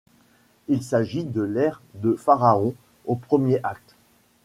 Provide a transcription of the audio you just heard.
Il s'agit de l'air de Pharaon au premier acte.